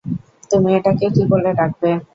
তুমি এটাকে কী বলে ডাকবে?